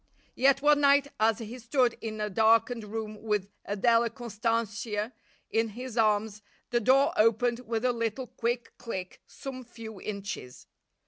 Yet one night as he stood in a darkened room with Adela Constantia in his arms the door opened with a little quick click some few inches.